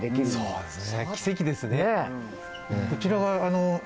そうですね。